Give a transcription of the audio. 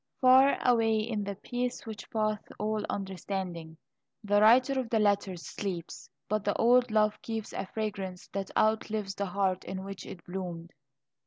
Far away in the "peace which passeth all understanding," the writer of the letters sleeps, but the old love keeps a fragrance that outlives the heart in which it bloomed.